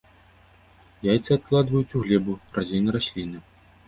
Яйцы адкладваюць у глебу, радзей на расліны.